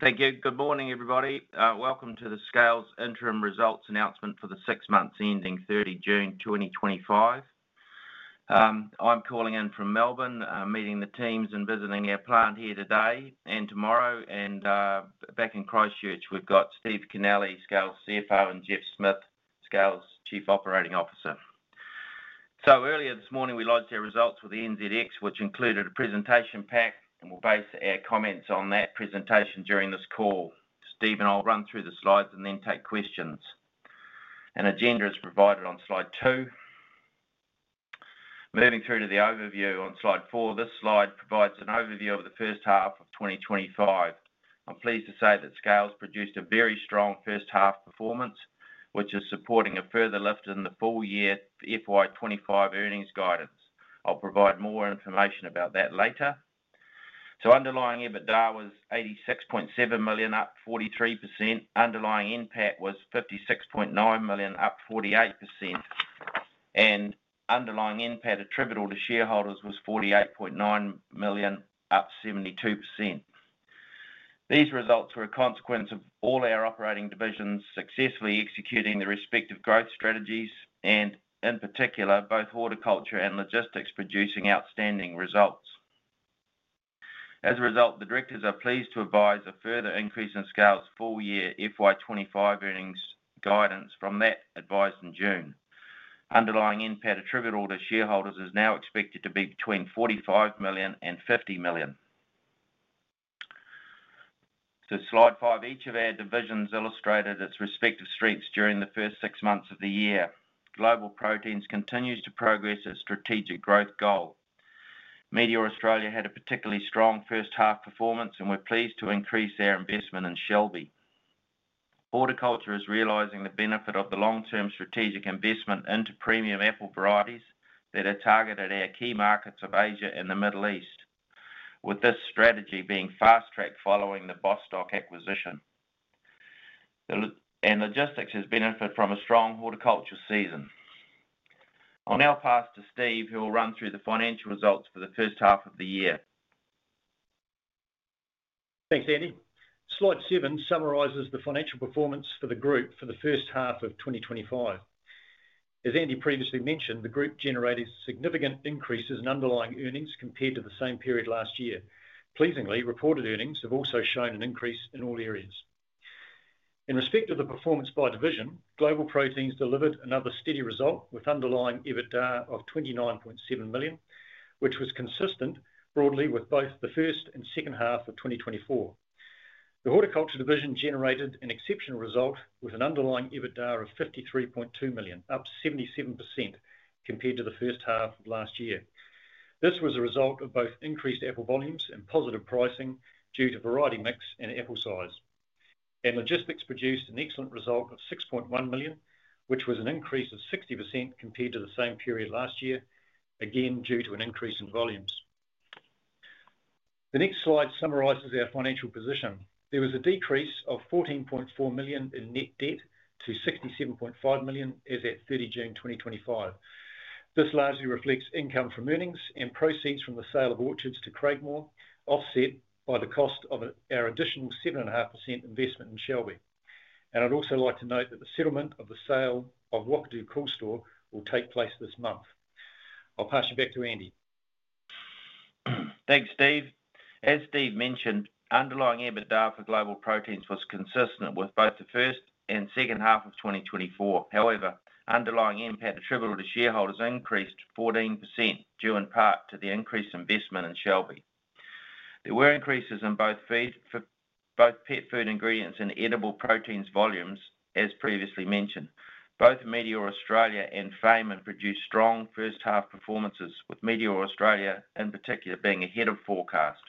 Thank you. Good morning, everybody. Welcome to the Scales interim results announcement for the six months ending 30 June 2025. I'm calling in from Melbourne, meeting the teams and visiting our plant here today and tomorrow. Back in Christchurch, we've got Steve Kennelly, Scales Chief Financial Officer, and Geoff Smith, Scales Chief Operating Officer. Earlier this morning, we launched our results with NZX, which included a presentation pack, and we'll base our comments on that presentation during this call. Steve, I'll run through the slides and then take questions. An agenda is provided on slide two. Moving through to the overview on slide four, this slide provides an overview of the first half of 2025. I'm pleased to say that Scales produced a very strong first half performance, which is supporting a further lift in the full year FY 2025 earnings guidance. I'll provide more information about that later. Underlying EBITDA was 86.7 million, up 43%. Underlying NPAT was 56.9 million, up 48%. Underlying NPAT attributable to shareholders was 48.9 million, up 72%. These results were a consequence of all our operating divisions successfully executing the respective growth strategies, and in particular, both horticulture and logistics producing outstanding results. As a result, the directors are pleased to advise a further increase in Scales' full year FY 2025 earnings guidance from that advised in June. Underlying NPAT attributable to shareholders is now expected to be between 45 million and 50 million. On slide five, each of our divisions illustrated its respective strengths during the first six months of the year. Global Proteins continues to progress its strategic growth goal. Meateor Australia had a particularly strong first half performance and we're pleased to increase our investment in Shelby. Horticulture is realizing the benefit of the long-term strategic investment into premium apple varieties that are targeted at our key markets of Asia and the Middle East, with this strategy being fast-tracked following the Bostock Group acquisition. Logistics has benefited from a strong horticulture season. I'll now pass to Steve, who will run through the financial results for the first half of the year. Thanks, Andy. Slide seven summarizes the financial performance for the group for the first half of 2025. As Andy previously mentioned, the group generated significant increases in underlying earnings compared to the same period last year. Pleasingly, reported earnings have also shown an increase in all areas. In respect of the performance by division, Global Proteins delivered another steady result with underlying EBITDA of 29.7 million, which was consistent broadly with both the first and second half of 2024. The Horticulture division generated an exceptional result with an underlying EBITDA of 53.2 million, up 77% compared to the first half of last year. This was a result of both increased apple volumes and positive pricing due to variety mix and apple size. Logistics produced an excellent result of 6.1 million, which was an increase of 60% compared to the same period last year, again due to an increase in volumes. The next slide summarizes our financial position. There was a decrease of 14.4 million in net debt to 67.5 million as at 30 June 2025. This largely reflects income from earnings and proceeds from the sale of orchards to Craigmore, offset by the cost of our additional 7.5% investment in Shelby. I’d also like to note that the settlement of the sale of Whakatu coolstore will take place this month. I'll pass you back to Andy. Thanks, Steve. As Steve mentioned, underlying EBITDA for Global Proteins was consistent with both the first and second half of 2024. However, underlying NPAT attributable to shareholders increased 14% due in part to the increased investment in Shelby. There were increases in both pet food ingredients and edible proteins volumes, as previously mentioned. Both Meateor Australia and FAME have produced strong first half performances, with Meateor Australia in particular being ahead of forecast.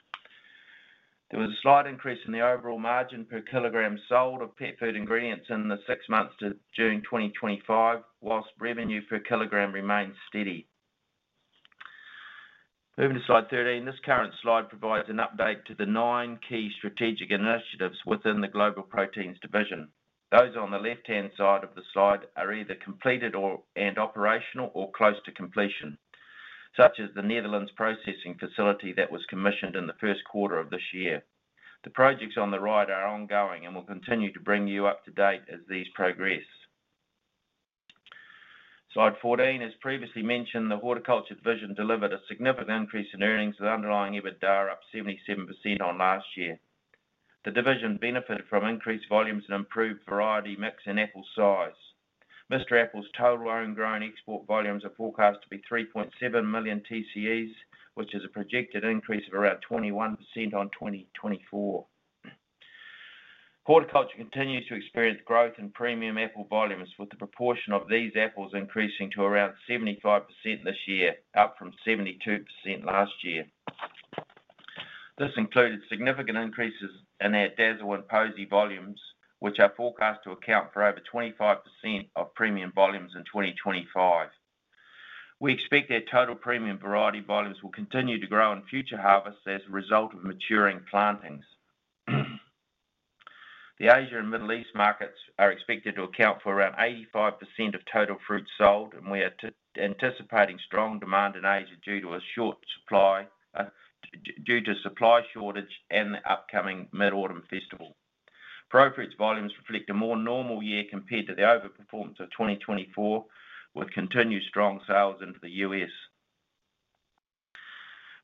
There was a slight increase in the overall margin per kilogram sold of pet food ingredients in the six months during 2025, whilst revenue per kilogram remains steady. Moving to slide 13, this current slide provides an update to the nine key strategic initiatives within the Global Proteins division. Those on the left-hand side of the slide are either completed and operational or close to completion, such as the Netherlands processing facility that was commissioned in the first quarter of this year. The projects on the right are ongoing and will continue to bring you up to date as these progress. Slide 14, as previously mentioned, the horticulture division delivered a significant increase in earnings with underlying EBITDA up 77% on last year. The division benefited from increased volumes and improved variety mix and apple size. Mr. Apple's total owned grown export volumes are forecast to be 3.7 million TCEs, which is a projected increase of around 21% on 2024. Horticulture continues to experience growth in premium apple volumes, with the proportion of these apples increasing to around 75% this year, up from 72% last year. This included significant increases in our Dazzle and Posey volumes, which are forecast to account for over 25% of premium volumes in 2025. We expect our total premium variety volumes will continue to grow in future harvests as a result of maturing plantings. The Asia and Middle East markets are expected to account for around 85% of total fruits sold, and we are anticipating strong demand in Asia due to a short supply shortage and the upcoming Mid-Autumn Festival. Pro fruits volumes reflect a more normal year compared to the overperformance of 2024, with continued strong sales into the U.S.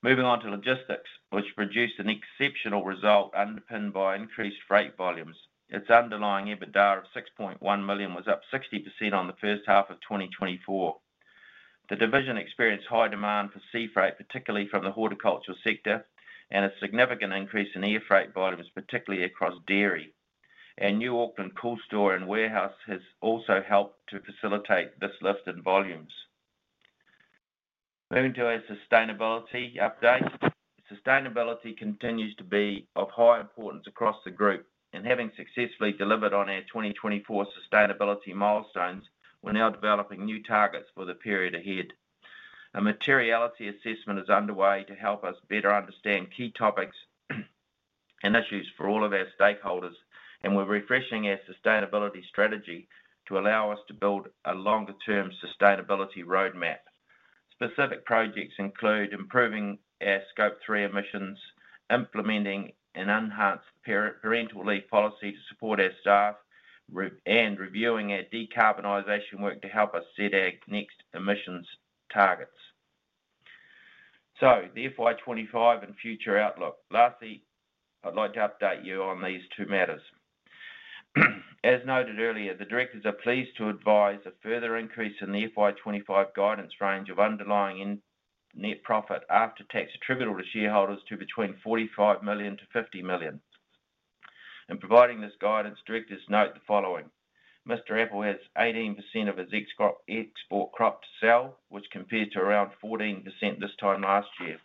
Moving on to logistics, which produced an exceptional result underpinned by increased freight volumes. Its underlying EBITDA of 6.1 million was up 60% on the first half of 2024. The division experienced high demand for sea freight, particularly from the horticulture sector, and a significant increase in air freight volumes, particularly across dairy. The new Auckland coolstore and warehouse has also helped to facilitate this lift in volumes. Moving to our sustainability update, sustainability continues to be of high importance across the group, and having successfully delivered on our 2024 sustainability milestones, we're now developing new targets for the period ahead. A materiality assessment is underway to help us better understand key topics and issues for all of our stakeholders, and we're refreshing our sustainability strategy to allow us to build a longer-term sustainability roadmap. Specific projects include improving our Scope 3 emissions, implementing an enhanced parental leave policy to support our staff, and reviewing our decarbonization work to help us set our next emissions targets. The FY 2025 and future outlook. Lastly, I'd like to update you on these two matters. As noted earlier, the directors are pleased to advise a further increase in the FY 2025 guidance range of underlying net profit after tax attributable to shareholders to between 45 million-50 million. In providing this guidance, directors note the following: Mr. Apple has 18% of its export crop to sell, which compares to around 14% this time last year.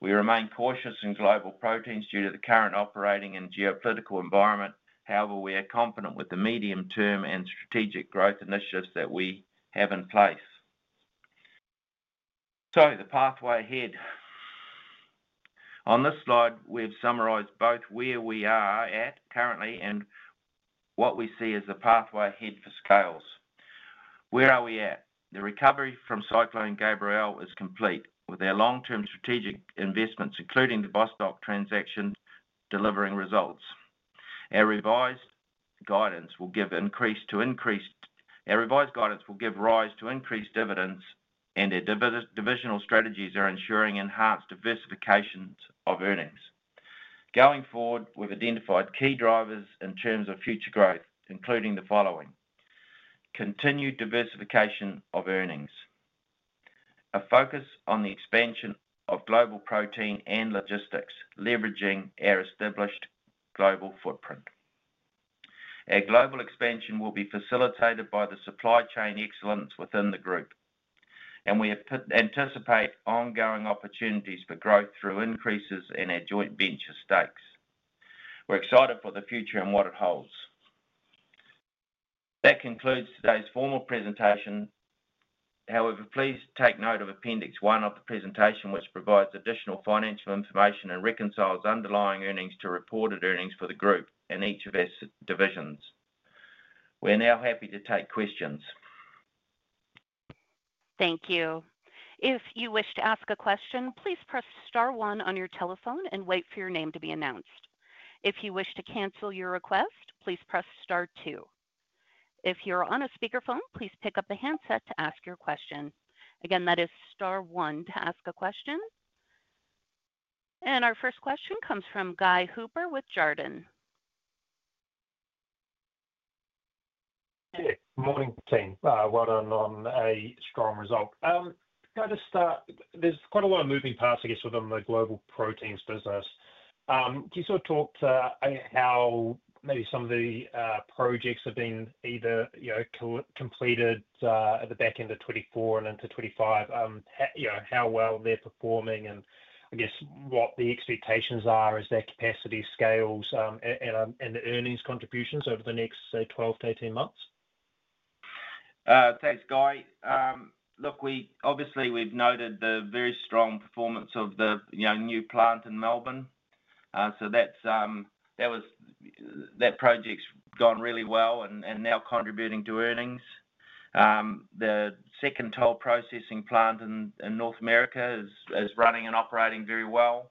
We remain cautious in Global Proteins due to the current operating and geopolitical environment. However, we are confident with the medium-term and strategic growth initiatives that we have in place. The pathway ahead. On this slide, we've summarized both where we are at currently and what we see as a pathway ahead for Scales. Where are we at? The recovery from Cyclone Gabrielle is complete, with our long-term strategic investments, including the Bostock transaction, delivering results. Our revised guidance will give increased dividends and our divisional strategies are ensuring enhanced diversification of earnings. Going forward, we've identified key drivers in terms of future growth, including the following: continued diversification of earnings, a focus on the expansion of Global Proteins and logistics, leveraging our established global footprint. Our global expansion will be facilitated by the supply chain excellence within the group, and we anticipate ongoing opportunities for growth through increases in our joint venture stakes. We're excited for the future and what it holds. That concludes today's formal presentation. However, please take note of Appendix 1 of the presentation, which provides additional financial information and reconciles underlying earnings to reported earnings for the group and each of our divisions. We're now happy to take questions. Thank you. If you wish to ask a question, please press star one on your telephone and wait for your name to be announced. If you wish to cancel your request, please press star two. If you're on a speakerphone, please pick up the handset to ask your question. That is star one to ask a question. Our first question comes from Guy Hooper with Jarden. Morning, team. Well done on a strong result. I've got to start, there's quite a lot of moving parts, I guess, within the Global Proteins business. Can you sort of talk to how maybe some of the projects have been either completed at the back end of 2024 and into 2025, how well they're performing and I guess what the expectations are as their capacity scales and the earnings contributions over the next, say, 12-18 months? Thanks, Guy. We obviously noted the very strong performance of the new plant in Melbourne. That project's gone really well and now contributing to earnings. The second toll processing plant in North America is running and operating very well.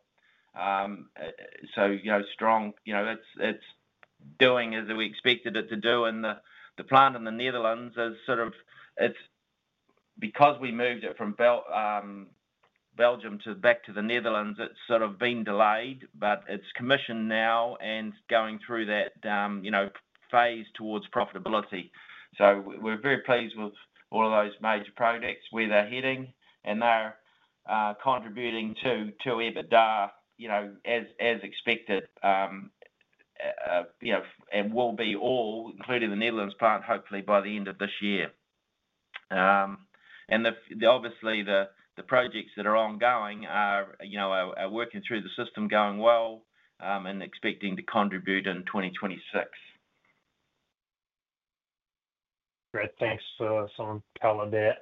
It's doing as we expected it to do. The plant in the Netherlands is sort of, it's because we moved it from Belgium back to the Netherlands, it's sort of been delayed, but it's commissioned now and going through that phase towards profitability. We're very pleased with all of those major projects, where they're heading, and they're contributing to EBITDA as expected, and will be all, including the Netherlands plant, hopefully by the end of this year. Obviously, the projects that are ongoing are working through the system, going well, and expecting to contribute in 2026. Great, thanks for some on that.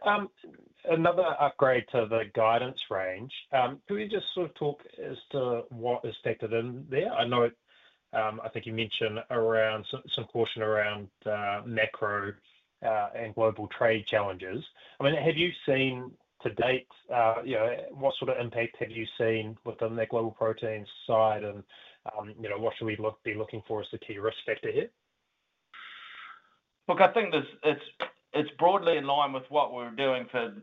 Another upgrade to the guidance range. Can we just sort of talk as to what is stated in there? I know I think you mentioned around some caution around macro and global trade challenges. I mean, have you seen to date, you know, what sort of impact have you seen within that Global Proteins side and, you know, what should we be looking for as the key risk factor here? Look, I think it's broadly in line with what we're doing for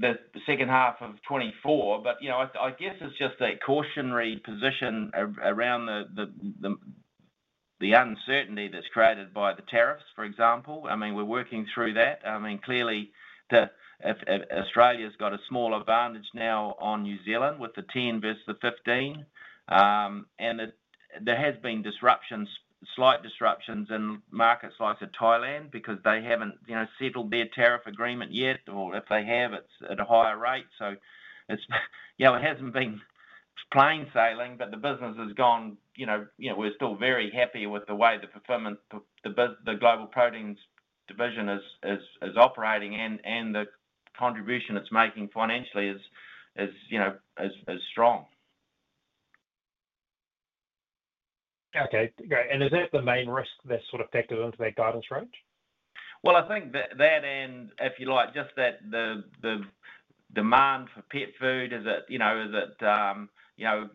the second half of 2024, but I guess it's just a cautionary position around the uncertainty that's created by the tariffs, for example. We're working through that. Clearly, Australia's got a small advantage now on New Zealand with the 10% versus the 15%. There have been disruptions, slight disruptions in markets like Thailand because they haven't settled their tariff agreement yet, or if they have, it's at a higher rate. It hasn't been plain sailing, but the business has gone, we're still very happy with the way the fulfillment, the Global Proteins division is operating, and the contribution it's making financially is as strong. Okay, great. Is that the main risk that's sort of factored into that guidance rate? I think that the demand for pet food is that, you know,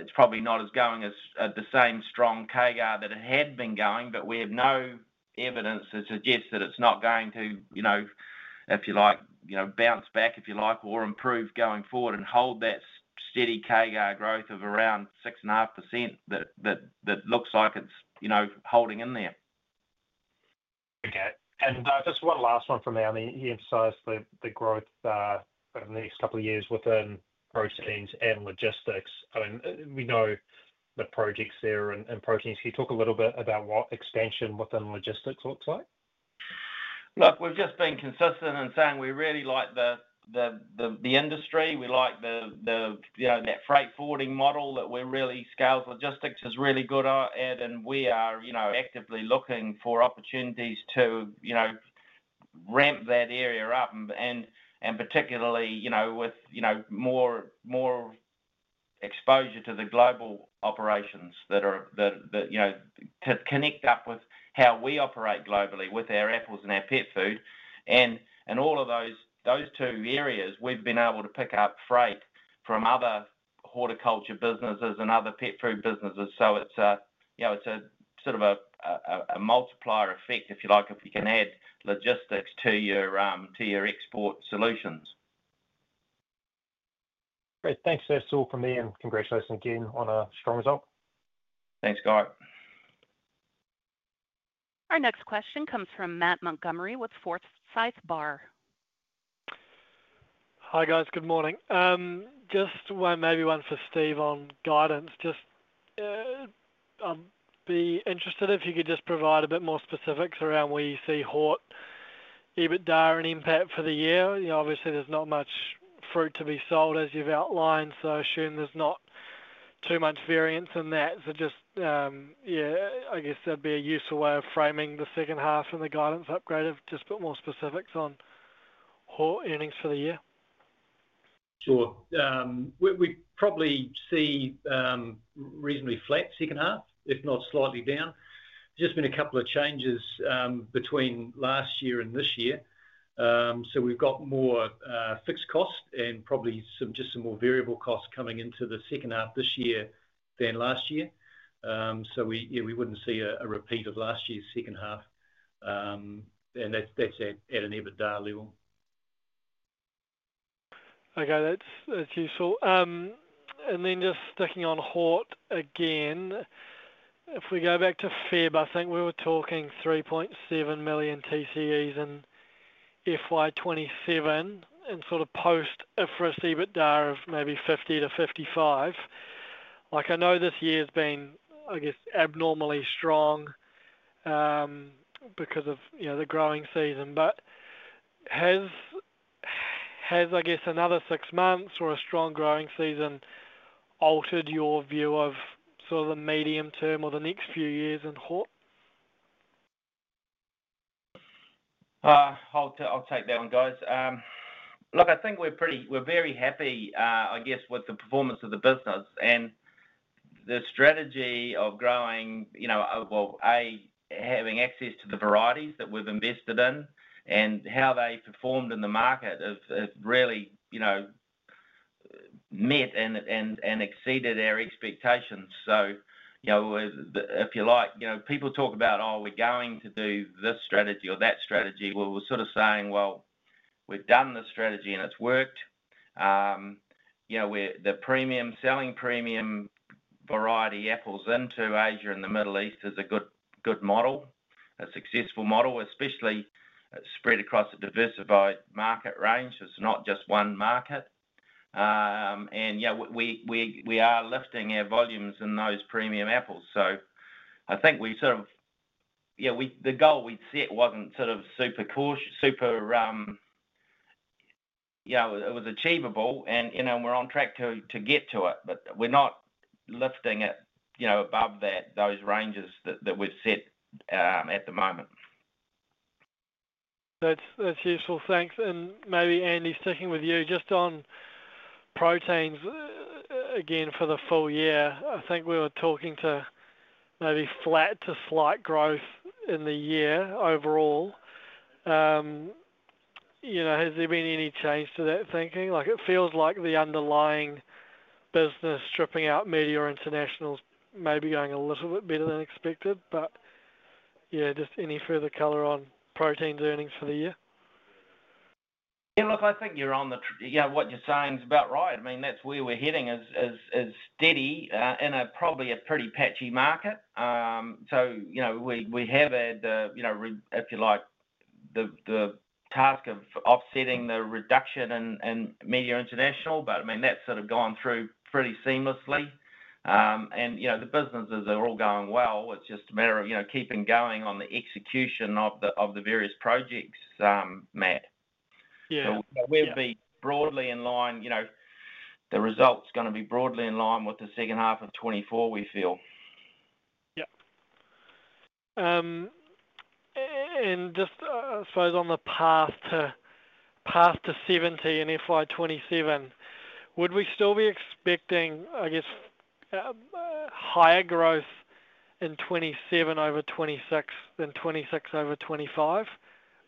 it's probably not going at the same strong caveat that it had been going, but we have no evidence to suggest that it's not going to, you know, bounce back, if you like, or improve going forward and hold that steady caveat growth of around 6.5% that looks like it's holding in there. Okay. Just one last one from there. You emphasized the growth over the next couple of years within proteins and logistics. We know the projects there in proteins. Can you talk a little bit about what expansion within logistics looks like? Look, we've just been consistent in saying we really like the industry. We like the, you know, that freight forwarding model that we're really, Scales Logistics is really good at, and we are actively looking for opportunities to ramp that area up, particularly with more exposure to the global operations that are to connect up with how we operate globally with our apples and our pet food. In all of those two areas, we've been able to pick up freight from other horticulture businesses and other pet food businesses. It's a sort of a multiplier effect, if you like, if you can add logistics to your export solutions. Great, thanks. That's all from me, and congratulations again on a strong result. Thanks, Guy. Our next question comes from Matt Montgomerie with Forsyth Barr. Hi guys, good morning. Just maybe one for Steve on guidance. I'd be interested if you could just provide a bit more specifics around where you see hort, EBITDA, and impact for the year. Obviously, there's not much fruit to be sold as you've outlined, so assume there's not too much variance in that. I guess that'd be a useful way of framing the second half and the guidance upgrade of just a bit more specifics on hort earnings for the year. Sure. We probably see reasonably flat second half, if not slightly down. There have just been a couple of changes between last year and this year. We have more fixed costs and probably just some more variable costs coming into the second half this year than last year. We wouldn't see a repeat of last year's second half. That's at an EBITDA level. Okay, that's useful. Just sticking on hort again, if we go back to February, I think we were talking 3.7 million TCEs in FY 2027 and sort of post-ifrost EBITDA of maybe 50-55 million. I know this year's been, I guess, abnormally strong because of, you know, the growing season. Has another six months or a strong growing season altered your view of sort of the medium term or the next few years in hort? I'll take that one, guys. Look, I think we're pretty, we're very happy, I guess, with the performance of the business and the strategy of growing, you know, A, having access to the varieties that we've invested in and how they performed in the market have really met and exceeded our expectations. If you like, people talk about, oh, we're going to do this strategy or that strategy. We're sort of saying we've done this strategy and it's worked. The premium, selling premium variety apples into Asia and the Middle East is a good model, a successful model, especially spread across a diversified market range. It's not just one market. Yeah, we are lifting our volumes in those premium apples. I think we sort of, yeah, the goal we'd set wasn't sort of super cautious, super, you know, it was achievable and, you know, we're on track to get to it, but we're not lifting it above those ranges that we've set at the moment. That's useful, thanks. Maybe, Andy, sticking with you just on proteins again for the full year, I think we were talking to maybe flat to slight growth in the year overall. Has there been any change to that thinking? It feels like the underlying business, stripping out Meateor International, is maybe going a little bit better than expected, but yeah, just any further color on proteins earnings for the year? Yeah, look, I think you're on the, yeah, what you're saying is about right. I mean, that's where we're heading is steady in a probably a pretty patchy market. We have had, if you like, the task of offsetting the reduction in Meateor International, but I mean, that's sort of gone through pretty seamlessly. The businesses are all going well. It's just a matter of keeping going on the execution of the various projects, Matt. We'll be broadly in line, the result's going to be broadly in line with the second half of 2024, we feel. Yep. Just I suppose on the path to 70 in FY 2027, would we still be expecting, I guess, higher growth in 2027 over 2026 than 2026 over 2025,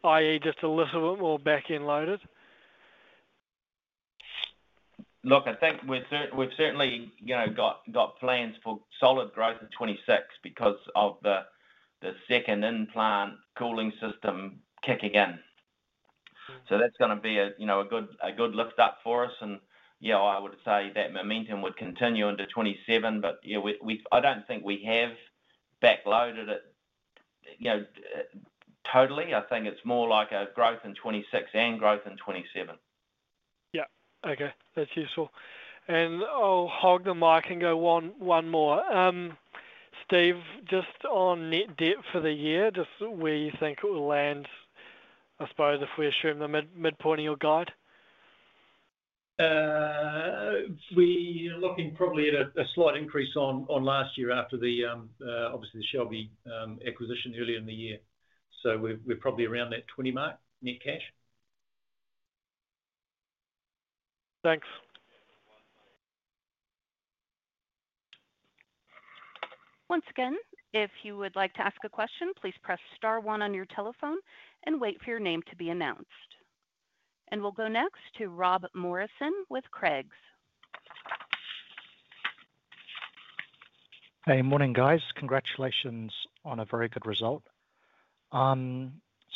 i.e., just a little bit more backend loaded? I think we've certainly got plans for solid growth in 2026 because of the second in-plant cooling system kicking in. That's going to be a good lift up for us. I would say that momentum would continue into 2027, but I don't think we have backloaded it totally. I think it's more like a growth in 2026 and growth in 2027. Yep, okay, that's useful. I'll hog the mic and go on one more. Steve, just on net debt for the year, just where you think it will land, I suppose, if we assume the midpoint in your guide? We are looking probably at a slight increase on last year after, obviously, the Shelby acquisition earlier in the year. We're probably around that 20 million mark net cash. Thanks. Once again, if you would like to ask a question, please press star one on your telephone and wait for your name to be announced. We'll go next to Rob Morrison with Craigs. Hey, morning guys. Congratulations on a very good result.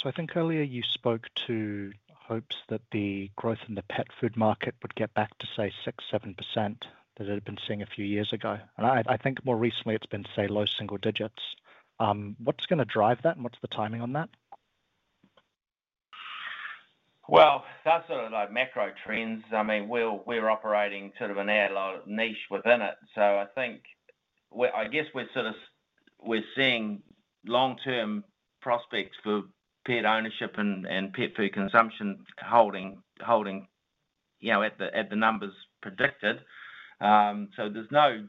I think earlier you spoke to hopes that the growth in the pet food market would get back to say 6-7% that it had been seeing a few years ago. I think more recently it's been say low single digits. What's going to drive that and what's the timing on that? That's sort of like macro trends. We're operating sort of an ad-lo niche within it. I think, I guess we're sort of, we're seeing long-term prospects for pet ownership and pet food consumption holding at the numbers predicted. There's no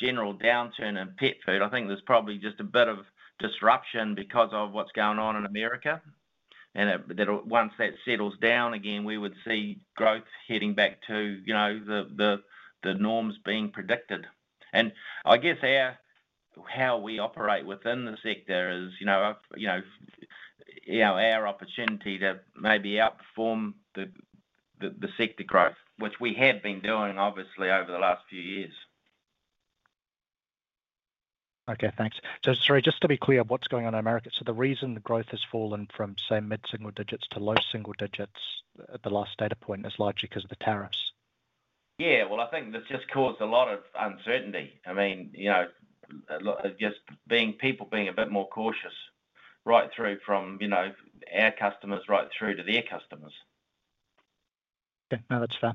general downturn in pet food. I think there's probably just a bit of disruption because of what's going on in the United States. Once that settles down again, we would see growth heading back to the norms being predicted. I guess how we operate within the sector is our opportunity to maybe outperform the sector growth, which we had been doing obviously over the last few years. Okay, thanks. Sorry, just to be clear, what's going on in the United States? The reason the growth has fallen from, say, mid-single digits to low single digits at the last data point is largely because of the tariffs. I think that's just caused a lot of uncertainty. I mean, you know, just people being a bit more cautious right through from our customers right through to their customers. Okay, no, that's fair.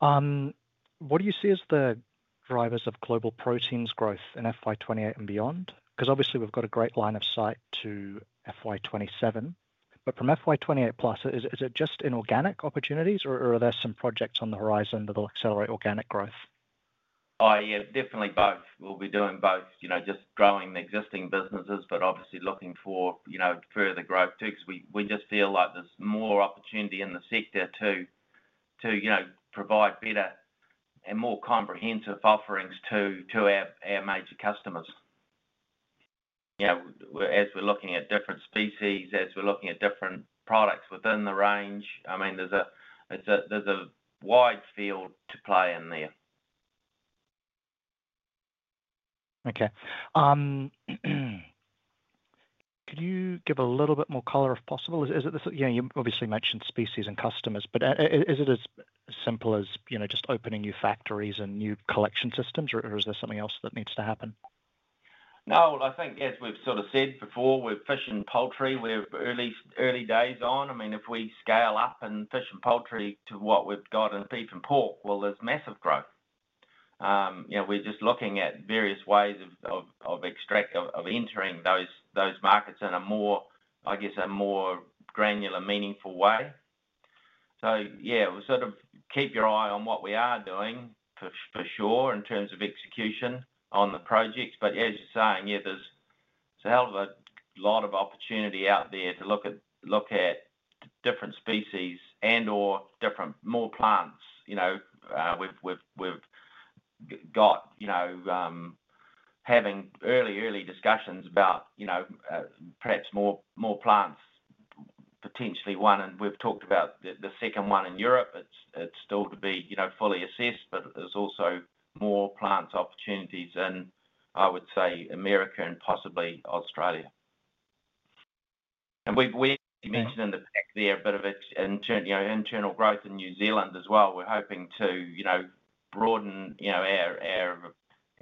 What do you see as the drivers of Global Proteins growth in FY 2028 and beyond? Because obviously we've got a great line of sight to FY 2027, but from FY 2028+, is it just inorganic opportunities or are there some projects on the horizon that will accelerate organic growth? Yeah, definitely both. We'll be doing both, just growing the existing businesses, but obviously looking for further growth too, because we just feel like there's more opportunity in the sector to provide better and more comprehensive offerings to our major customers. As we're looking at different species, as we're looking at different products within the range, there's a wide field to play in there. Okay. Could you give a little bit more color if possible? Is it this, you know, you obviously mentioned species and customers, but is it as simple as, you know, just opening new factories and new collection systems, or is there something else that needs to happen? No, I think as we've sort of said before, we're fish and poultry, we're early days on. I mean, if we scale up in fish and poultry to what we've got in beef and pork, there's massive growth. We're just looking at various ways of entering those markets in a more, I guess, a more granular, meaningful way. We'll sort of keep your eye on what we are doing for sure in terms of execution on the projects. As you're saying, there's a hell of a lot of opportunity out there to look at different species and/or different, more plants. We've got, you know, having early, early discussions about, you know, perhaps more plants, potentially one, and we've talked about the second one in Europe. It's still to be fully assessed, but there's also more plants opportunities in, I would say, America and possibly Australia. We've mentioned in the past there a bit of internal growth in New Zealand as well. We're hoping to broaden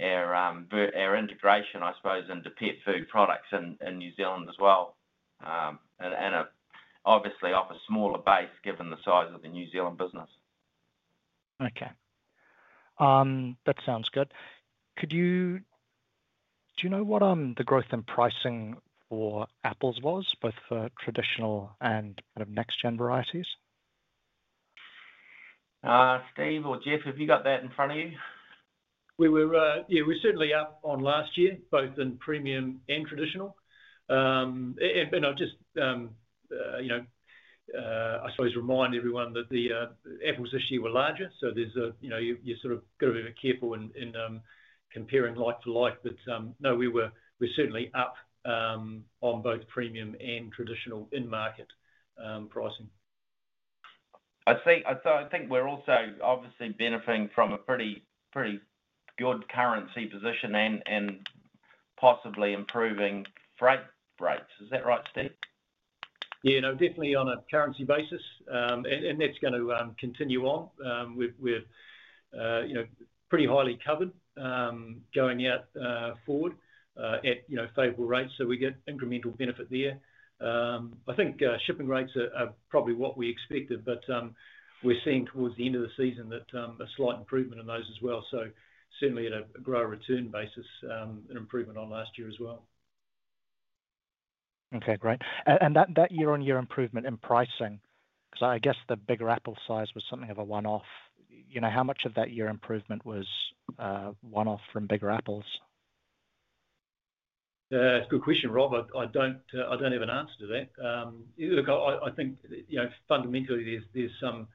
our integration, I suppose, into pet food products in New Zealand as well. Obviously of a smaller base given the size of the New Zealand business. Okay. That sounds good. Could you, do you know what the growth in pricing for apples was, both for traditional and kind of next-gen varieties? Steve or Geoff, have you got that in front of you? We were, yeah, we're certainly up on last year, both in premium and traditional. I'll just, you know, I suppose remind everyone that the apples this year were larger. There's a, you know, you've sort of got to be a bit careful in comparing like to like. No, we were certainly up on both premium and traditional in-market pricing. I think we're also obviously benefiting from a pretty good currency position and possibly improving freight rates. Is that right, Steve? Yeah, no, definitely on a currency basis. That's going to continue on. We've pretty highly covered going out forward at favorable rates, so we get incremental benefit there. I think shipping rates are probably what we expected, but we're seeing towards the end of the season a slight improvement in those as well. Certainly, at a grower return basis, an improvement on last year as well. Okay, great. That year-on-year improvement in pricing, because I guess the bigger apple size was something of a one-off. You know, how much of that year improvement was one-off from bigger apples? That's a good question, Rob. I don't have an answer to that. I think fundamentally there's some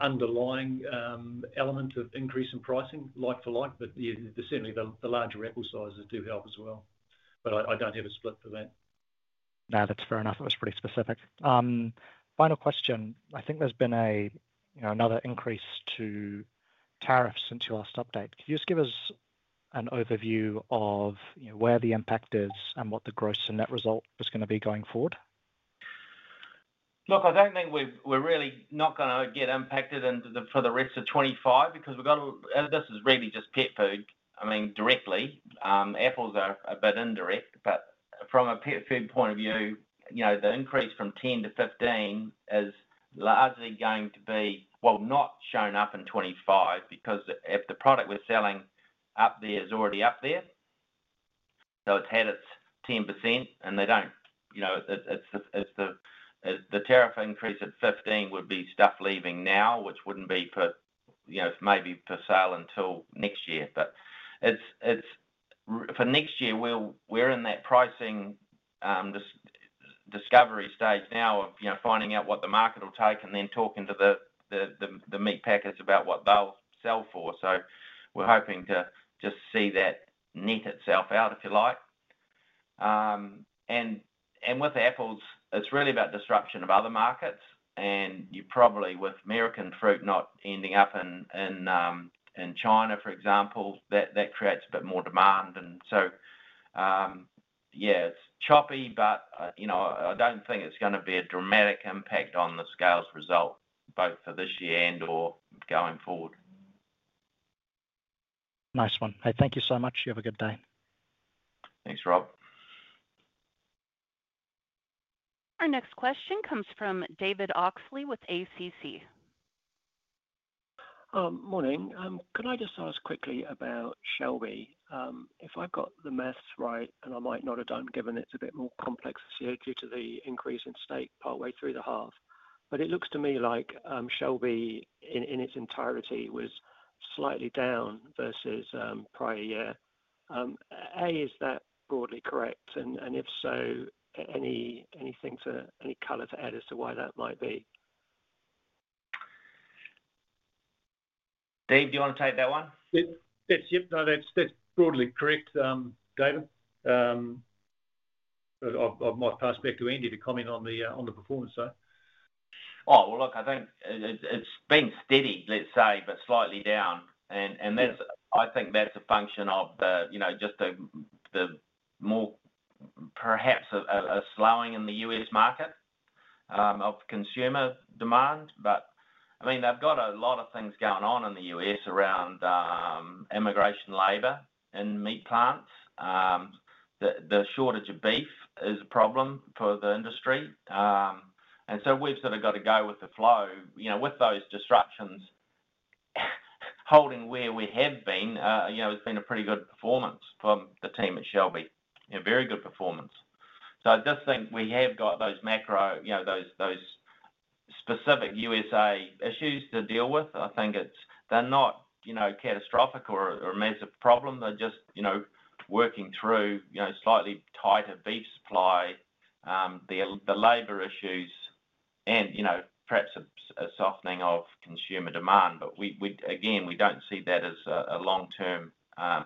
underlying element of increase in pricing like for like, but certainly the larger apple sizes do help as well. I don't have a split for that. No, that's fair enough. That was pretty specific. Final question. I think there's been another increase to tariffs since your last update. Could you just give us an overview of where the impact is and what the gross and net result is going to be going forward? Look, I don't think we're really not going to get impacted for the rest of 2025 because we've got to, this is really just pet food. I mean, directly, apples are a bit indirect, but from a pet food point of view, the increase from 10% to 15% is largely going to be, not shown up in 2025 because if the product we're selling up there is already up there, it's had its 10% and they don't, it's the tariff increase at 15% would be stuff leaving now, which wouldn't be per, maybe per sale until next year. For next year, we're in that pricing discovery stage now of finding out what the market will take and then talking to the meat packers about what they'll sell for. We're hoping to just see that net itself out, if you like. With apples, it's really about disruption of other markets. You probably, with American fruit not ending up in China, for example, that creates a bit more demand. It's choppy, but I don't think it's going to be a dramatic impact on the Scales Corporation result, both for this year or going forward. Nice one. Hey, thank you so much. You have a good day. Thanks, Rob. Our next question comes from David Oxley with ACC. Morning. Can I just ask quickly about Shelby? If I've got the maths right, and I might not have done given it's a bit more complex this year due to the increase in stake partway through the half, it looks to me like Shelby in its entirety was slightly down versus prior year. Is that broadly correct? If so, anything to add as to why that might be? Dave, do you want to take that one? That's correct, David. I might pass back to Andy to comment on the performance though. Oh, look, I think it's been steady, let's say, but slightly down. I think that's a function of just the more, perhaps a slowing in the U.S. market of consumer demand. I mean, they've got a lot of things going on in the U.S. around immigration labor in meat plants. The shortage of beef is a problem for the industry. We've sort of got to go with the flow. With those disruptions, holding where we have been, it's been a pretty good performance from the team at Shelby. Yeah, very good performance. I just think we have got those macro, those specific U.S.A. issues to deal with. I think they're not catastrophic or a massive problem. They're just working through slightly tighter beef supply, the labor issues, and perhaps a softening of consumer demand. We don't see that as a long-term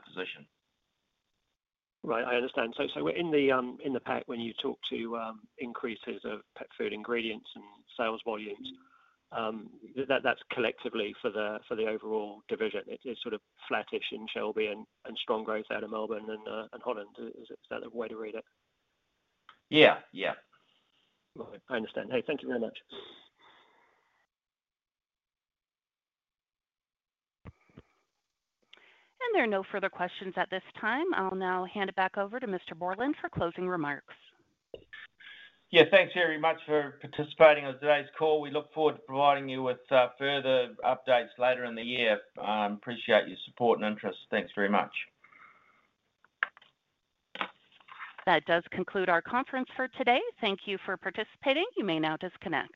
position. Right, I understand. We're in the pack when you talk to increases of pet food ingredients and sales volumes. That's collectively for the overall division. It's sort of flattish in Shelby and strong growth out of Melbourne and Netherlands. Is that the way to read it? Yeah, yeah. I understand. Thank you very much. There are no further questions at this time. I'll now hand it back over to Mr. Borland for closing remarks. Yeah, thanks very much for participating on today's call. We look forward to providing you with further updates later in the year. Appreciate your support and interest. Thanks very much. That does conclude our conference for today. Thank you for participating. You may now disconnect.